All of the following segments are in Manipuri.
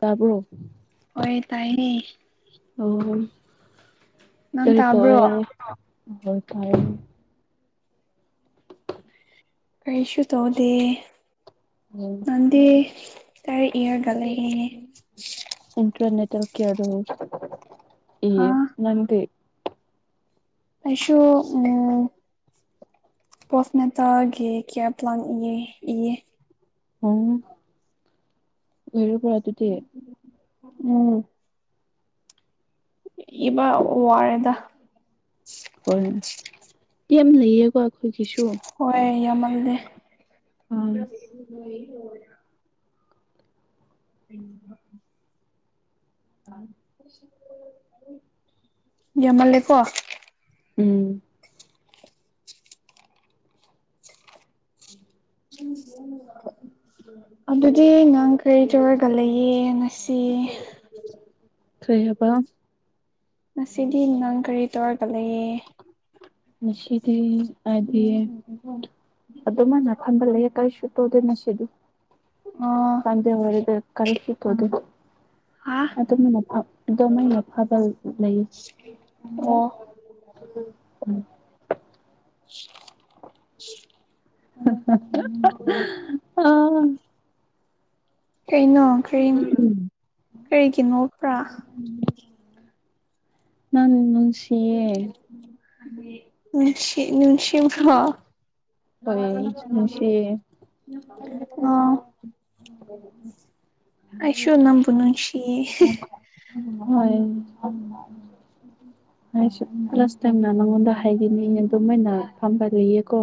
ꯇꯥꯕ꯭ꯔꯣ ꯍꯣꯏ ꯇꯥꯏꯌꯦ ꯍ ꯍꯣꯏ ꯅꯪ ꯀꯔꯤ ꯇꯥꯕ꯭ꯔꯣ ꯇꯧꯏꯔꯦ ꯇꯥꯏꯌꯦ ꯀꯩꯁꯨ ꯇꯧꯗꯦ ꯎꯝ ꯅꯪꯗꯤ ꯇꯔ ꯏꯔꯒꯜ ꯂꯩꯔꯦ ꯏꯟꯇꯔꯅꯦꯠ ꯀꯦ ꯍꯥ ꯅꯪꯗꯤ ꯑꯩꯁꯨ ꯎꯝ ꯄꯣꯁ ꯃꯇꯦꯜꯒꯤ ꯀꯦꯌꯥꯞ ꯄꯂꯥꯟꯒꯤ ꯏꯌꯦ ꯎꯝ ꯏꯔꯕ꯭ꯔ ꯗꯨꯗꯤ ꯎꯝ ꯏꯕ ꯋꯥꯔꯦꯗ ꯍꯣ ꯌꯦꯝ ꯂꯩꯌꯦꯀꯣ ꯑꯩꯈꯣꯏꯒꯤꯁꯨ ꯑ ꯌꯥꯝ ꯃꯜꯂꯦ ꯎꯝ ꯎꯝ ꯌꯃꯜꯂꯦꯀꯣ ꯎꯝ [unintelligible] ꯑꯗꯨꯗꯤ ꯅꯪ ꯀꯔꯤ ꯇꯧꯔꯒ ꯂꯩꯌꯦ ꯉꯁꯤ ꯀꯩ ꯍꯥꯏꯕ ꯉꯁꯤꯗꯤ ꯅꯪ ꯀꯔꯤ ꯇꯧꯔꯒ ꯂꯩꯌꯦ ꯉꯁꯤꯗꯤ ꯑꯗꯤ ꯑꯗꯨꯃꯥꯏꯅ ꯈꯟꯕ ꯂꯩꯌꯦ ꯀꯔꯤꯁꯨ ꯇꯧꯗꯦ ꯉ ꯁꯤꯗ ꯑꯣ ꯆꯥꯟꯗꯦꯜꯗ ꯀꯔꯤꯁꯤ ꯇꯧꯗꯦ ꯍꯥ ꯑꯗꯨꯝꯅ ꯑꯗꯨꯃꯩꯅ ꯐꯕ ꯂꯩꯌꯦ ꯎ ꯑꯣ ꯎꯝ [inaudible] ꯍ ꯍ ꯍ ꯍ ꯑꯥ ꯀꯩꯅꯣ ꯀ꯭ꯔꯤ ꯀꯔꯤꯒꯤ ꯅꯣꯛꯄ꯭ꯔꯥ ꯅꯪ ꯅꯨꯡꯁꯤꯌꯦ ꯎꯝ ꯁꯤ ꯅꯨꯡꯁꯤꯡꯕ꯭ꯔꯣ ꯍꯣꯏ ꯅꯨꯡꯁꯤꯌꯦ ꯑꯣ ꯑꯩꯁꯨ ꯅꯝꯕꯨ ꯅꯨꯡꯁꯤꯌꯦ ꯍꯤ ꯍꯤ ꯍꯣꯏ ꯑꯩꯋꯨ ꯂꯥꯁ ꯇꯥꯏꯝꯅ ꯅꯉꯣꯟꯗ ꯍꯥꯏꯗꯤ ꯃꯤꯅ ꯑꯗꯨꯝꯃꯥꯏꯅ ꯐꯝꯕ ꯂꯩꯌꯦꯀꯣ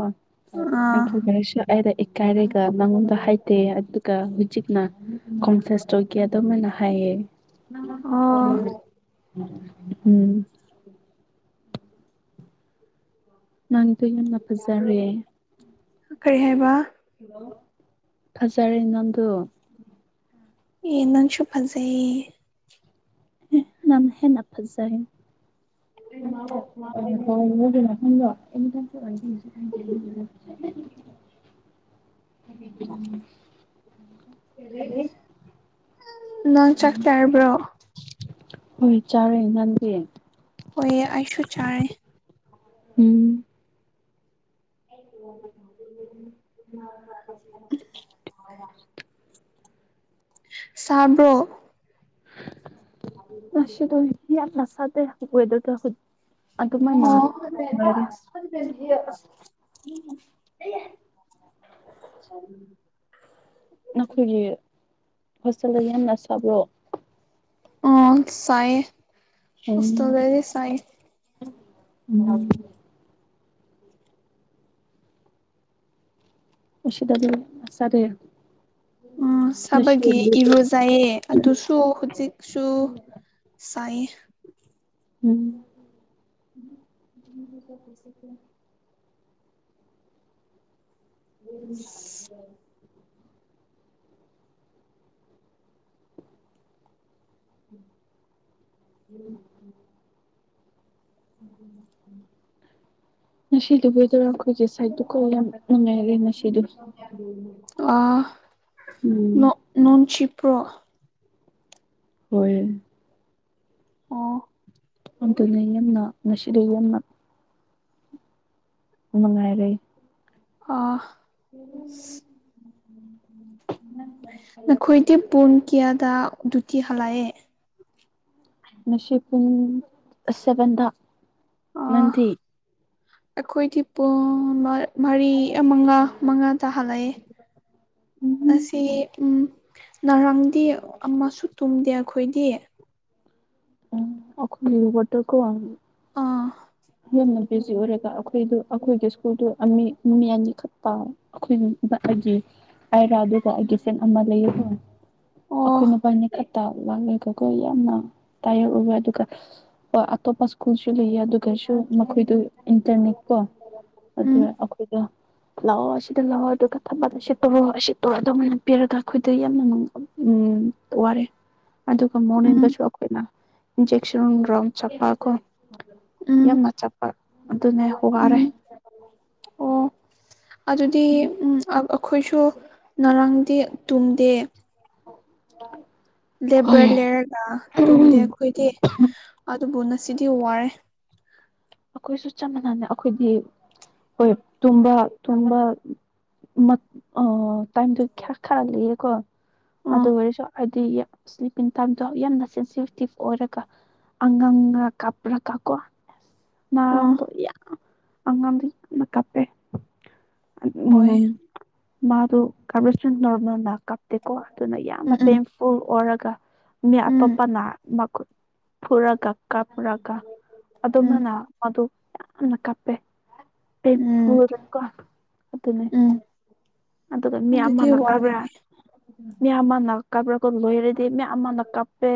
ꯑꯥ ꯑꯗꯨꯒ ꯑꯩꯁꯨ ꯑꯩꯔ ꯏꯀꯥꯏꯔꯒ ꯅꯪꯉꯣꯟꯗ ꯍꯥꯏꯗꯦ ꯑꯗꯨꯒ ꯍꯨꯖꯤꯛꯅ ꯀꯣꯝꯐꯦꯁ ꯇꯧꯒꯦ ꯑꯗꯨꯃꯥꯏꯅ ꯍꯥꯏꯌꯦ ꯑꯣ ꯎꯝ ꯅꯪꯗꯣ ꯌꯥꯝꯅ ꯐꯖꯔꯦ ꯀꯩ ꯍꯥꯏꯕꯥ ꯐꯖꯔꯦ ꯅꯪꯗꯨ ꯑꯦ ꯅꯪꯁꯨꯨ ꯐꯖꯩ ꯅꯪ ꯍꯦꯟꯅ ꯐꯖꯩ [unintelligible] [unintelligible] [unintelligible] ꯅꯪ ꯆꯥꯛ ꯆꯥꯔꯕ꯭ꯔꯣ ꯍꯣꯏ ꯆꯥꯔꯦ ꯅꯪꯗꯤ ꯍꯣꯏ ꯑꯩꯁꯨ ꯆꯥꯔꯦ ꯎꯝ [unintelligible] ꯁꯥꯕ꯭ꯔꯣ ꯉꯁꯤꯗꯣ ꯌꯥꯝꯅ ꯁꯥꯗꯦ ꯋꯦꯗꯔꯗꯣ ꯍꯨ [unintelligible] [unintelligible] ꯅꯈꯣꯏꯒꯤ ꯍꯣꯁꯇꯦꯜꯗ ꯌꯥꯝꯅ ꯁꯥꯕ꯭ꯔꯣ ꯑꯥ ꯁꯥꯌꯦ ꯎꯝ ꯍꯦꯁꯇꯦꯜꯗꯗꯤ ꯁꯥꯏ ꯎꯝ ꯃꯁꯤꯗꯗꯤ ꯅꯠꯆꯗꯦ ꯎꯝ ꯁꯥꯕꯒꯤ ꯏꯔꯨꯖꯩꯏꯌꯦ ꯑꯗꯨꯁꯨ ꯍꯧꯖꯤꯛꯁꯨ ꯇꯥꯏꯌꯦ ꯎꯝ [unintelligible] [unintelligible] [unintelligible] [unintelligible] ꯉꯁꯤꯗꯨꯕꯨ ꯋꯦꯗꯔ ꯈꯣꯏꯒꯤ ꯁꯥꯏꯠꯇꯨꯀꯣ ꯌꯥꯝ ꯅꯨꯡꯉꯥꯏꯔꯦ ꯉꯁꯤꯗꯣ ꯑꯥ ꯅꯣ ꯅꯣꯡ ꯆꯤꯄ꯭ꯔꯣ ꯍꯣꯏ ꯑꯣ ꯑꯕꯗꯨꯅꯦ ꯌꯝꯅꯥ ꯉꯁꯤꯗꯩ ꯌꯝꯅꯥ ꯃꯉꯥꯏꯔꯦ ꯑꯥ ꯅꯈꯣꯏꯗꯤ ꯄꯨꯡ ꯀ꯭ꯌꯥꯗ ꯗꯨꯇꯤ ꯍꯂꯥꯏꯑꯦ ꯅꯁꯤ ꯄꯨꯡ ꯁꯦꯚꯦꯟꯗꯥ ꯅꯪꯗꯤ ꯑꯈꯣꯏꯗꯤ ꯄꯨꯡ ꯃ ꯃꯔꯤ ꯑꯥ ꯃꯉꯥ ꯃꯉꯥ ꯇꯥ ꯍꯂꯛꯏ ꯎꯝ ꯉꯁꯤ ꯎꯝ ꯅꯥꯔꯥꯡꯗꯤ ꯑꯃꯥꯁꯨ ꯇꯨꯝꯗꯦ ꯑꯈꯣꯏꯗꯤ ꯎꯝ ꯑꯣꯈꯣꯏ ꯋꯥꯠꯇ ꯀꯣ ꯑꯥ ꯌꯥꯝꯅ ꯕꯤꯖꯤ ꯑꯣꯏꯔꯒ ꯑꯩꯈꯣꯏꯗ ꯑꯩꯈꯣꯏꯒꯤ ꯁ꯭ꯀꯨꯜꯗꯨ ꯑꯃꯤ ꯃꯤ ꯑꯅꯤꯈꯛ ꯑꯩꯈꯣꯏ ꯑꯩꯒꯤ ꯑꯗꯨꯔ ꯑꯩꯒꯤ ꯇꯦꯟ ꯑꯃ ꯂꯩꯌꯦꯀꯣ ꯑꯣ ꯑꯩꯈꯣꯏ ꯅꯨꯄꯥꯅꯤ ꯈꯛꯇ ꯂꯥꯛꯂꯒꯀꯣ ꯌꯥꯝꯅ ꯇꯥꯏꯌꯣ ꯑꯗꯨꯀ ꯑꯇꯣꯞꯄ ꯢꯁ꯭ꯀꯨꯜꯁꯨ ꯂꯩꯌꯦ ꯑꯗꯨ ꯑꯗꯨꯒꯁꯨ ꯃꯈꯣꯏꯗ ꯏꯟꯇꯔꯟꯅꯦ ꯀꯣ ꯑꯗꯨ ꯎꯝ ꯑꯩꯈꯣꯏꯗ ꯂꯥꯛꯑꯣ ꯁꯤꯗ ꯂꯥꯛꯑꯣ ꯑꯗꯨꯒ ꯊꯃꯗ ꯁꯤꯠꯇꯨꯔꯣ ꯁꯤꯠꯇꯣꯔ ꯗꯧꯅꯦ ꯄꯤꯔꯒ ꯑꯩꯈꯣꯏꯗ ꯌꯥꯝꯅ ꯎꯝ ꯋꯥꯔꯦ ꯑꯗꯨꯒ ꯎꯝ ꯃꯣꯔꯅꯤꯡꯗꯁꯨ ꯏꯟꯖꯦꯛꯁꯟ ꯔꯣꯝ ꯆꯠꯄꯀꯣ ꯎꯝ ꯌꯥꯝꯅ ꯆꯠꯄ ꯑꯗꯨꯅꯦ ꯋꯥꯔꯦ ꯎꯝ ꯑꯣ ꯑꯗꯨꯗꯤ ꯎꯝ ꯑꯩꯈꯣꯏꯁꯨ ꯉꯔꯥꯡꯗꯤ ꯇꯨꯝꯗꯦ ꯂꯦꯕꯔ ꯍꯣꯏ ꯂꯩꯔꯒ ꯇꯨꯝꯗꯦ ꯑꯩꯈꯣꯏꯁꯨ ꯑꯩꯈꯣꯏꯗꯤ ꯑꯗꯨꯕꯨ ꯉꯁꯤꯗꯤ ꯋꯥꯔꯦ ꯑꯩꯈꯣꯏꯁꯨ ꯆꯞ ꯃꯥꯟꯅꯅꯩ ꯑꯩꯈꯣꯏꯗꯤ ꯍꯣꯏ ꯇꯨꯝꯕ ꯇꯨꯝꯕ ꯇꯥꯏꯝꯗꯣ ꯈꯔꯥ ꯈꯔꯥ ꯂꯩꯑꯦ ꯀꯣ ꯑꯥ ꯑꯗꯨ ꯑꯣꯏꯔꯁꯨ ꯍꯥꯏꯗꯤ ꯁ꯭ꯂꯤꯞꯄꯤꯡ ꯇꯥꯏꯝꯗꯣ ꯌꯥꯝꯅ ꯁꯦꯟꯁꯤꯇꯤꯞ ꯑꯣꯏꯔꯒ ꯑꯉꯥꯡꯒ ꯀꯥꯞꯄ꯭ꯔꯒ ꯀꯣ ꯑꯥ ꯉꯔꯥꯡꯗꯣ ꯌꯝ ꯑꯉꯥꯡꯗꯤꯅ ꯀꯞꯄꯦ ꯍꯣꯏ ꯎꯝ ꯃꯥꯗꯨ ꯀꯕꯔꯦꯖꯇꯨ ꯅꯣꯔꯃꯦꯜꯅ ꯀꯥꯞꯇꯦꯀꯣ ꯑꯗꯨꯅ ꯌꯥꯝꯅ ꯎꯝ ꯎꯝ ꯄꯦꯟꯐꯨꯜ ꯑꯣꯏꯔꯒ ꯃꯤ ꯑ ꯎꯝ ꯇꯣꯞꯄꯅ ꯃꯥꯈꯨꯠ ꯄꯨꯔꯒ ꯀꯥꯞꯔꯒ ꯎꯝ ꯑꯗꯨꯃꯥꯢꯅ ꯃꯗꯨ ꯌꯥꯝꯅ ꯀꯥꯞ ꯄꯦ ꯎꯝ ꯄꯦꯟꯐꯨꯜꯗꯀꯣ ꯑꯗꯨꯅꯦ ꯎꯝ ꯑꯗꯨꯒ ꯃꯤ ꯑꯗꯨꯗꯤ ꯑꯃꯅ ꯀꯥꯞꯕ꯭ꯔꯥ ꯋꯥꯔꯅꯤ ꯃꯤ ꯑꯃꯅ ꯀꯥꯞꯕ꯭ꯔꯥꯒ ꯂꯣꯏꯔꯦ ꯇꯦꯝꯃꯦ ꯑꯃꯥꯅ ꯀꯥꯞꯄꯦ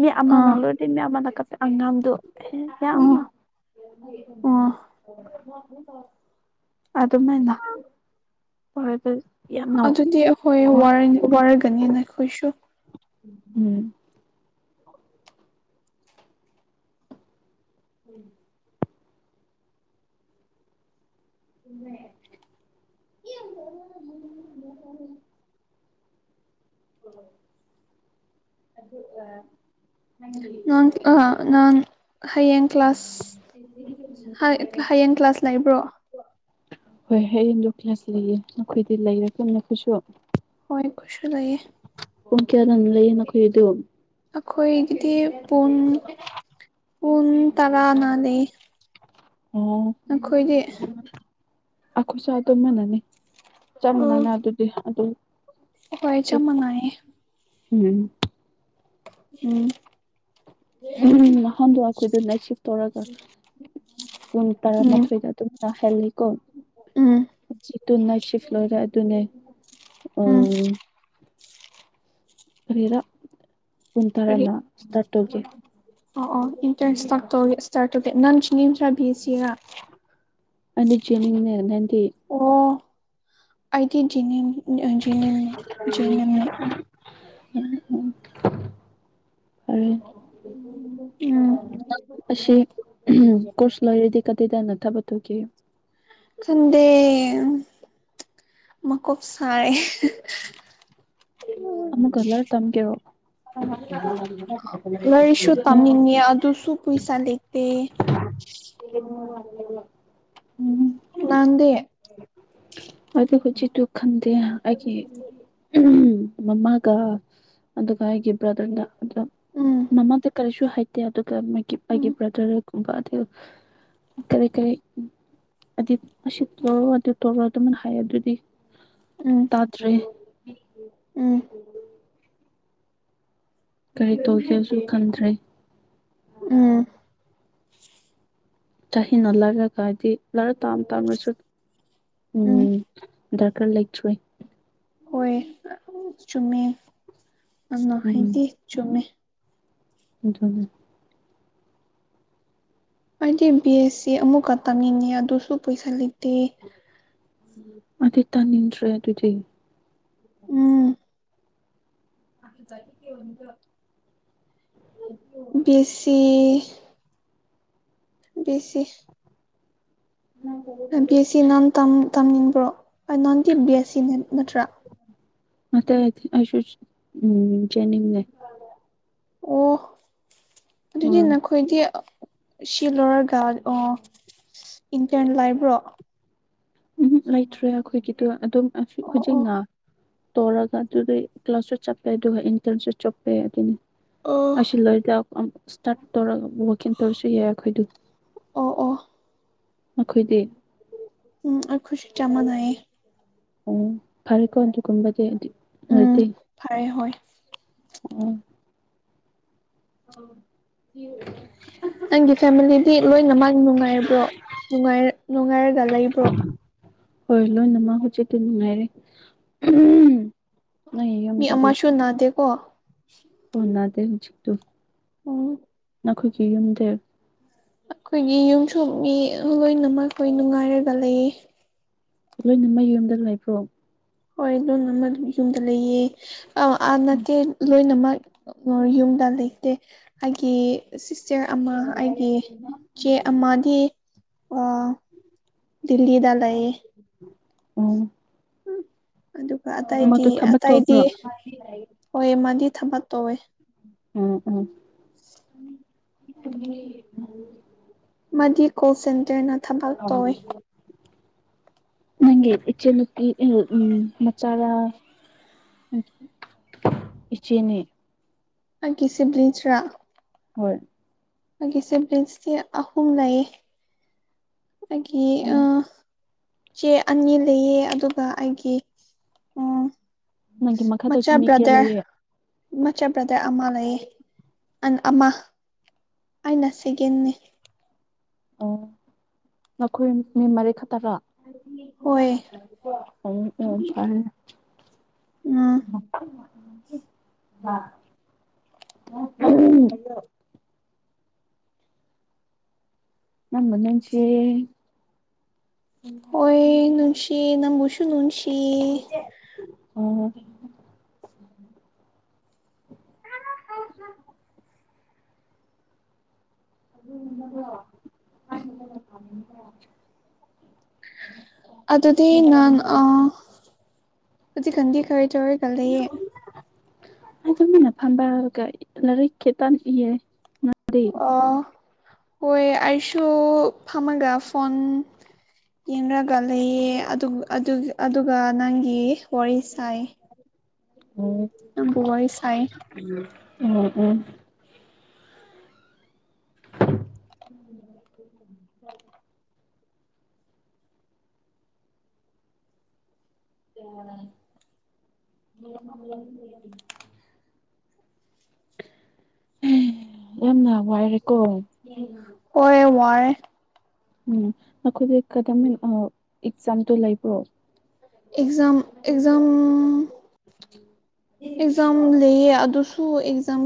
ꯃꯤ ꯑꯃꯥꯅ ꯑꯥ ꯂꯣꯏꯗꯦ ꯃꯤ ꯑꯃꯥꯅ ꯀꯥꯄꯦ ꯑꯉꯥꯡꯗꯨ ꯌꯥꯝ ꯑꯣ ꯑꯗꯨꯃꯥꯢꯅ ꯑꯣꯢꯗꯣꯢ ꯑꯗꯨꯗꯤ ꯑꯩꯈꯣꯏ ꯋꯥꯔꯒꯅꯤ ꯅꯈꯣꯏꯁꯨ ꯎꯝ ꯎꯝ [unintelligible] ꯑꯣ ꯑꯗꯨꯒ ꯉꯥꯡ ꯑ ꯅꯥꯟ ꯍꯌꯦꯡ ꯀ꯭ꯂꯥꯁꯥꯁ ꯍꯌꯦꯡ ꯀ꯭ꯂꯥꯁ ꯂꯩꯕ꯭ꯔꯣ ꯍꯣꯏ ꯍꯌꯦꯡꯗꯣ ꯀ꯭ꯂꯥꯁ ꯂꯩꯌꯦ ꯅꯈꯣꯏꯗꯤ ꯂꯩꯔꯒ ꯅꯈꯣꯏꯁꯨ ꯈꯨꯣꯢꯁ ꯂꯩꯌꯦ ꯄꯨꯡ ꯀꯌꯥꯗꯅ ꯂꯩꯌꯦ ꯅꯈꯣꯏꯗꯨ ꯑꯩꯈꯣꯏꯒꯤꯗꯤ ꯄꯨꯡ ꯄꯨꯟ ꯇꯔꯥꯅꯂꯦ ꯎꯝ ꯑꯩꯈꯣꯏꯁꯨ ꯑꯗꯨ ꯃꯥꯟꯅꯅꯤ ꯆꯞ ꯃꯥꯟꯅꯅ ꯑꯗꯨꯗꯤ ꯑꯗꯨ ꯍꯣꯏ ꯆꯥꯞ ꯃꯥꯟꯅꯩꯌꯦ ꯎꯝ ꯎꯝ ꯎꯝ ꯅꯍꯥꯟꯗꯣ ꯑꯩꯈꯣꯏꯗ ꯅꯥꯠ ꯁꯤꯐ ꯇꯧꯔꯒ ꯄꯨꯡ ꯎꯝ ꯇꯔꯥꯃꯥꯊꯣꯏꯗ ꯑꯗꯨꯝꯅ ꯍꯦꯜꯂꯤꯀꯣ ꯎꯝ ꯆ ꯇꯨꯅꯥꯁꯤꯐ꯭ꯂꯔꯦ ꯑꯗꯨꯅꯦ ꯎꯝ ꯀꯔꯤꯔ ꯀꯔꯤ ꯀꯨꯟꯊꯔꯅ ꯢꯁꯇꯥꯠ ꯇꯧꯒꯦ ꯑꯣ ꯑꯣ ꯏꯟꯇꯔꯦꯟꯁ ꯇ ꯇꯧꯔꯦ ꯁꯔ ꯇꯦ ꯅꯪꯁꯤꯅꯤꯟ꯭ꯔ ꯕꯤ ꯑꯦꯁ ꯁꯤꯔ ꯑꯅꯤ ꯆꯦꯅꯤꯡꯅꯦ ꯅꯪꯗꯤ ꯑꯩꯗꯤ ꯖꯦꯅꯤꯝ ꯑ ꯖꯦꯅꯤꯝ ꯖꯦꯅꯝ ꯐꯔꯦ ꯎꯝ ꯑꯁꯤ ꯎꯍꯝ ꯀꯣꯔꯁ ꯂꯣꯏꯔꯗꯤ ꯀꯗꯥꯏꯗꯅ ꯊꯕꯛ ꯇꯧꯈꯤ ꯈꯟꯗꯦ ꯃꯀꯣꯛ ꯁꯥꯢ ꯑꯍ ꯑꯃꯨꯛ ꯀꯂꯔ ꯇꯝꯒꯦꯔꯣ ꯑ ꯂꯥꯏꯔꯤꯛꯁꯨ ꯇꯝꯅꯤꯡꯉꯦ ꯑꯗꯨꯁꯨ ꯄꯩꯁꯥ ꯂꯩꯇꯦ [unintelligible] ꯅꯪꯗꯤ ꯑꯩꯗꯨ ꯍꯧꯖꯤꯛꯇꯨ ꯈꯟꯗꯦ ꯑꯩꯒꯤ ꯑꯍꯝ ꯃꯃꯥꯒ ꯑꯗꯨꯒ ꯑꯩꯒꯤ ꯕ꯭ꯔꯗꯔꯅ ꯑꯗꯨ ꯎꯝ ꯃꯃꯥꯗꯤ ꯀꯔꯤꯁꯨ ꯍꯩꯇꯦ ꯑꯗꯨ ꯗ ꯃꯥꯒꯤ ꯃꯥꯒꯤ ꯎꯝ ꯕ꯭ꯔꯗꯔꯒꯨꯝꯕ ꯑꯗꯨ ꯀꯔꯤ ꯀꯔꯤ ꯑꯗꯤ ꯑꯁꯤ ꯇꯧꯔꯣ ꯑꯗꯨ ꯇꯧꯔꯣ ꯑꯗꯨꯃꯥꯏꯅ ꯍꯥꯏꯌꯦ ꯑꯗꯨꯗꯤ ꯎꯝ ꯇꯥꯇ꯭ꯔꯦ ꯎꯝ ꯀꯔꯤ ꯇꯧꯁꯦꯁꯨ ꯈꯟꯗ꯭ꯔꯦ ꯎꯝ ꯆꯍꯤꯅ ꯂꯥꯏꯔꯒꯗꯤ ꯂꯥꯏꯔꯤꯛ ꯇꯥꯝ ꯇꯥꯝꯔꯁꯨ ꯎꯝ ꯗ꯭ꯔꯀꯥꯔ ꯂꯩꯇ꯭ꯔꯦ ꯍꯣꯏ ꯑ ꯆꯨꯝꯃꯦ ꯅꯪꯅ ꯍꯥꯏꯗꯤ ꯆꯨꯝꯃꯦ ꯑꯗꯨꯅꯦ ꯑꯩꯗꯤ ꯕꯤ ꯑꯦꯁ ꯁꯤ ꯑꯃꯨꯛꯀ ꯇꯥꯝꯅꯤꯡꯉꯦ ꯑꯗꯨꯁꯨ ꯄꯩꯁꯥ ꯂꯩ ꯇꯦ ꯑꯩꯗꯤ ꯇꯥꯅꯤꯡꯗ꯭ꯔꯦ ꯑꯗꯨꯗꯤ ꯎꯝ [inaudible] B S C B S C B S C ꯅꯥꯟ ꯇꯝ ꯇꯝꯅꯤꯡꯕ꯭ꯔꯣ ꯑꯅꯪꯗꯤ ꯕꯤ ꯑꯦꯁ ꯁꯤ ꯅꯦ ꯅꯠꯇ꯭ꯔ ꯅꯠꯇꯦ ꯑꯩꯁꯨ ꯎꯝ ꯖꯦꯅꯤꯝꯅꯦ ꯑꯣ ꯑꯗꯨꯗꯤ ꯎꯝ ꯅꯈꯣꯏꯗꯤ ꯑ ꯁꯤ ꯂꯣꯏꯔꯒ ꯑꯣ ꯏꯟꯇꯔꯟ ꯂꯩꯕ꯭ꯔꯣ ꯎꯝꯍꯝ ꯂꯩꯇ꯭ꯔꯦ ꯑꯈꯣꯏꯒꯤꯗꯣ ꯑꯗꯨꯝ ꯑꯁꯤ ꯑꯣ ꯑꯣ ꯍꯧꯖꯤꯛꯅ ꯇꯧꯔꯒ ꯗꯨꯗꯩ ꯀ꯭ꯂꯥꯁꯁꯨ ꯆꯞꯄꯦ ꯑꯗꯨꯒ ꯏꯟꯇ꯭ꯔꯟꯁꯨ ꯆꯣꯞꯄꯦ ꯑꯗꯨꯅꯤ ꯑꯣ ꯑꯁꯤ ꯂꯣꯏꯗ ꯑꯝ ꯁ꯭ꯇꯥꯔꯠ ꯇꯧꯔꯒ ꯋꯥꯛꯏꯟ ꯇꯧꯔꯁꯨ ꯌꯥꯏ ꯑꯈꯣꯏꯗꯨ ꯑꯣ ꯑꯣ ꯅꯈꯣꯏꯗꯤ ꯎꯝ ꯑꯩꯈꯣꯏꯁꯨ ꯆꯞ ꯃꯥꯟꯅꯩꯌꯦ ꯑꯣ ꯐꯔꯦꯀꯣ ꯑꯗꯨꯒꯨꯝꯕꯗꯤ ꯑꯗꯨ ꯎꯝ ꯅꯣꯏꯗꯤ ꯐꯔꯦ ꯍꯣꯏ ꯎꯝ ꯅꯪꯒꯤ ꯐꯦꯃꯤꯂꯤꯗꯤ ꯂꯣꯏꯅꯃꯛ ꯅꯨꯡꯉꯥꯏꯕ꯭ꯔꯣ ꯅꯨꯡꯉꯥꯏꯔ ꯅꯨꯡꯉꯥꯏꯔꯒ ꯂꯩꯕ꯭ꯔꯣ ꯍꯣꯏ ꯂꯣꯏꯅꯃꯛ ꯍꯧꯖꯤꯛꯇꯤ ꯅꯨꯡꯉꯥꯏꯔꯦ ꯅꯪꯒꯤ ꯃꯤ ꯑꯃꯁꯨ ꯅꯥꯗꯦꯀꯣ ꯑꯧ ꯅꯥꯗꯦ ꯍꯧꯖꯤꯛꯇꯨ ꯎꯝ ꯅꯈꯣꯏꯒꯤ ꯌꯨꯝꯗ ꯑꯈꯣꯏꯒꯤ ꯌꯨꯝꯁꯨ ꯃꯤ ꯂꯣꯏꯅꯃꯛ ꯑꯈꯣꯏ ꯅꯨꯡꯉꯥꯏꯔꯒ ꯂꯩꯌꯦ ꯂꯣꯏꯅꯃꯛ ꯌꯨꯝꯗ ꯂꯩꯕ꯭ꯔꯣ ꯍꯣꯏ ꯂꯣꯏꯅꯃꯛ ꯌꯨꯝꯗ ꯂꯩꯌꯦ ꯑꯥ ꯑꯥ ꯅꯠꯇꯦ ꯂꯣꯏꯅꯃꯛ ꯃꯣꯏ ꯌꯨꯝꯗ ꯂꯩꯇꯦ ꯑꯩꯒꯤ ꯁꯤꯁ ꯆꯦ ꯑꯃ ꯑꯩꯒꯤ ꯆꯦ ꯑꯃꯗꯤ ꯑꯥ ꯗꯤꯜꯂꯤꯗ ꯂꯩꯌꯦ ꯎꯝ ꯑꯗꯨꯒ ꯑꯇꯩꯗꯤ ꯊꯕꯛ ꯑꯇꯩꯗꯤ ꯇꯧꯕ꯭ꯔꯣ ꯍꯣꯏ ꯑꯃꯥꯗꯤ ꯊꯕꯛ ꯇꯧꯋꯦ ꯎꯝ ꯎꯝ ꯃꯗꯤ ꯀꯣꯜ ꯁꯦꯟꯇ꯭ꯔꯅ ꯊꯕꯛ ꯇꯧꯋꯦ ꯅꯪꯒꯤ ꯏꯆꯟꯅꯨꯄꯤ ꯎ ꯎꯝ ꯃꯆꯥꯔꯥ ꯎꯝ ꯏꯆꯦꯅꯦ ꯑꯩꯒꯤ ꯁꯤꯕꯂꯤꯡꯁ ꯔꯥ ꯍꯣꯏ ꯑꯩꯒꯤ ꯁꯤꯕꯤꯂꯤꯡꯁꯇꯤ ꯑꯍꯨꯝ ꯂꯩꯌꯦ ꯑꯩꯒꯤ ꯑ ꯑꯣ ꯆꯦ ꯑꯅꯤ ꯂꯩꯌꯦ ꯑꯗꯨꯒ ꯑꯩꯒꯤ ꯎꯝ ꯅꯪꯒꯤ ꯃꯈꯥꯗ ꯃꯆꯥ ꯃꯤ ꯀꯌꯥ ꯕꯔ꯭ꯗꯔ ꯂꯩꯌꯦ ꯃꯆꯥ ꯕ꯭ꯔꯗꯔ ꯑꯃ ꯂꯩꯌꯦ ꯑꯟ ꯑꯃ ꯑꯥꯏꯅ ꯁꯤꯀꯦꯟꯅꯦ ꯑꯣ ꯅꯈꯣꯏ ꯃꯤ ꯃꯔꯤ ꯈꯛꯇꯔꯥ ꯍꯣꯏ ꯎꯝ ꯎꯝ ꯐꯔꯦ ꯎꯝ [inaudible] ꯅꯪꯕꯨ ꯅꯨꯡꯁꯤꯌꯦ ꯍꯣꯏ ꯅꯨꯡꯁꯤ ꯅꯪꯕꯨꯁꯨꯨ ꯅꯨꯡꯁꯤ ꯑꯣ [inaudible] [inaudible] ꯑꯗꯨꯗꯤ ꯅꯪ ꯑ ꯍꯧꯖꯤꯛꯀꯥꯟꯗꯤ ꯀꯔꯤ ꯇꯧꯔꯒꯥ ꯂꯩꯌꯦ ꯑꯩ ꯇꯨꯃꯤꯟꯅ ꯐꯝꯕꯒ ꯂꯥꯏꯔꯤꯛ ꯈꯤꯇꯪ ꯏꯌꯦ ꯗꯤ ꯑꯣ ꯍꯣꯏ ꯑꯩꯁꯨ ꯐꯝꯃꯒ ꯐꯣꯟ ꯌꯦꯡꯔꯒ ꯂꯩꯌꯦ ꯑꯗꯨ ꯑꯗꯨꯒ ꯑꯗꯨꯒ ꯅꯪꯒꯤ ꯋꯥꯔꯤ ꯁꯥꯏ ꯑꯣ ꯅꯪꯒ ꯋꯥꯔꯤ ꯁꯥꯏ ꯎꯝ ꯎꯝ [inaudible] [inaudible] [inaudible] ꯌꯥꯝꯅ ꯋꯥꯏꯔꯦꯀꯣ ꯍꯣꯏ ꯋꯥꯔꯦ ꯎꯝ ꯅꯈꯣꯏꯗꯤ ꯀꯗꯥꯃꯤꯟ ꯑꯣ ꯑꯦꯛꯖꯥꯝꯗꯣ ꯂꯩꯕ꯭ꯔꯣ ꯑꯦꯛꯖꯝ ꯑꯦꯛꯖꯝ [inaudible] ꯑꯦꯛꯖꯥꯝ ꯂꯩꯌꯦ ꯑꯗꯨꯁꯨ ꯑꯦꯛꯖꯥꯝ